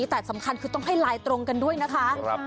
แต่สำคัญคือต้องให้ไลน์ตรงกันด้วยนะคะ